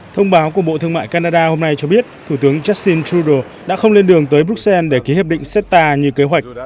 thông báo của bộ thương mại canada hôm nay cho biết thủ tướng jacin trudeau đã không lên đường tới bruxelles để ký hiệp định setta như kế hoạch